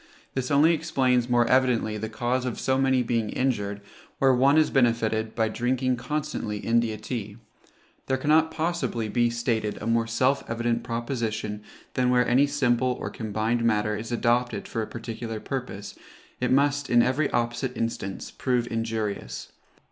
This only explains more evidently the cause of so many being injured, where one is benefited, by drinking constantly India tea. There cannot possibly be stated a more self evident proposition than where any simple or combined matter is adopted for a particular purpose, it must, in every opposite instance, prove injurious.